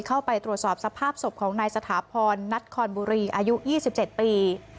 เข้าไปตรวจสอบสภาพศพของนายสถาพรนัทคอนบุรีอายุ๒๗ปี